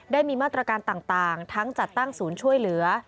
ได้มีมาตรการต่างทั้งจัดตั้งศูนย์ช่วยเหลือ